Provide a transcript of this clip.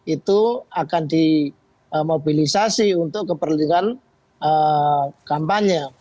itu akan dimobilisasi untuk kepentingan kampanye